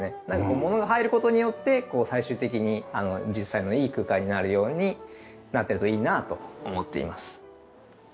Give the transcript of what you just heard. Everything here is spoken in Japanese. なんか物が入る事によって最終的に実際のいい空間になるようになってるといいなと思っています。